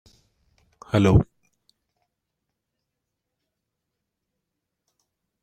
Come after me or one of mine, and that photograph will be everywhere by morning.